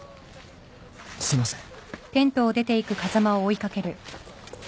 すいません。